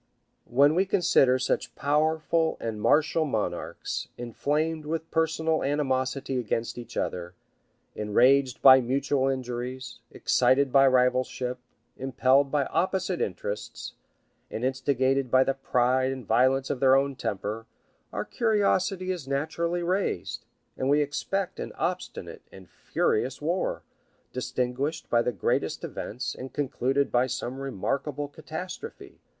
739] When we consider such powerful and martial monarchs, inflamed with personal animosity against each other, enraged by mutual injuries, excited by rivalship, impelled by opposite interests, and instigated by the pride and violence of their own temper, our curiosity is naturally raised, and we expect an obstinate and furious war, distinguished by the greatest events, and concluded by some remarkable catastrophe.